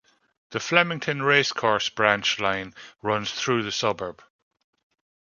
The Flemington Racecourse branch line runs through the suburb.